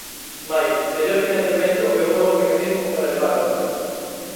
Máis, mellor financiamento e un novo mecanismo para levalo a cabo.